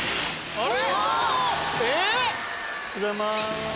あれ？